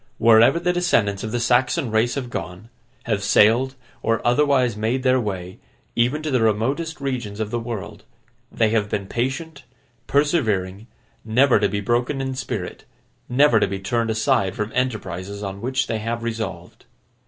Wherever the descendants of the Saxon race have gone, have sailed, or otherwise made their way, even to the remotest regions of the world, they have been patient, persevering, never to be broken in spirit, never to be turned aside from enterprises on which they have resolved.